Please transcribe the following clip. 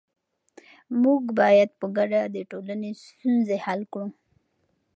موږ باید په ګډه د ټولنې ستونزې حل کړو.